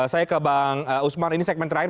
saya ke bang usmar ini segmen terakhir